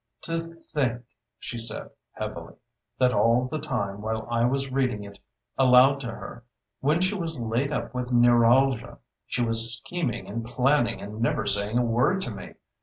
"To think," she said heavily, "that all the time while I was reading it aloud to her when she was laid up with neuralgia she was scheming and planning and never saying a word to me!